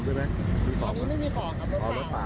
เพราะว่ารถผมรถจะออกประมาณ๖๖๕ภาพ